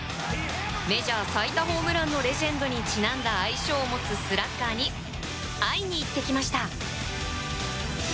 メジャー最多ホームランのレジェンドにちなんだ愛称を持つスラッガーに会いに行ってきました。